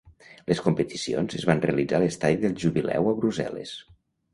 Les competicions es van realitzar a l'Estadi del Jubileu a Brussel·les.